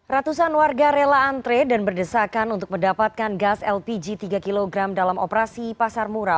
ratusan warga rela antre dan berdesakan untuk mendapatkan gas lpg tiga kg dalam operasi pasar murah